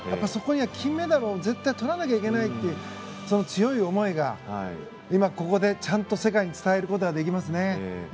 そこには金メダルを絶対にとらなきゃいけないという強い思いが今、ここでちゃんと世界に伝えることができますね。